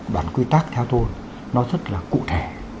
bản quy tắc theo thôn nó rất là cụ thể